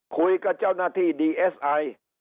คุยกับเจ้าหน้าที่ดีเอสไอ